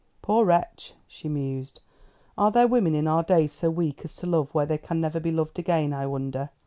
"Poor wretch!" she mused. "Are there women in our days so weak as to love where they can never be loved again, I wonder?